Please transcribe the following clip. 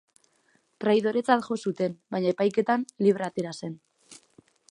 Traidoretzat jo zuten baina epaiketan libre atera zen.